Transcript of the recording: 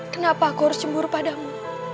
kenapa kau harus cemburu padamu